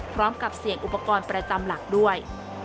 พร้อมกับเสี่ยงอุปกรณ์ประจำหลักด้วย